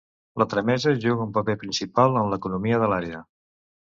La tramesa juga un paper principal en l'economia de l'àrea.